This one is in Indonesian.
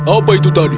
apa itu tadi